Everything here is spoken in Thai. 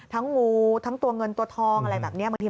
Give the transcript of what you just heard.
ทั้งงูทั้งตัวเงินตัวทองอะไรแบบนี้